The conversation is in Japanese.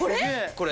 これ。